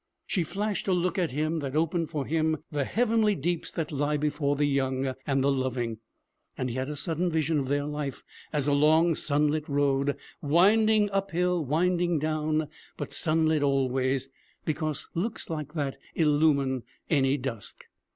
She flashed a look at him that opened for him the heavenly deeps that lie before the young and the loving, and he had a sudden vision of their life as a long sunlit road, winding uphill, winding down, but sunlit always because looks like that illumine any dusk.